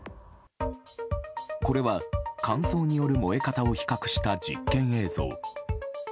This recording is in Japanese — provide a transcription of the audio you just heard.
これは乾燥による燃え方を比較した実験映像。